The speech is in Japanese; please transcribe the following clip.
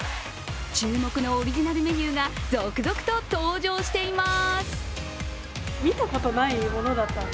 注目のオリジナルメニューが続々と登場しています。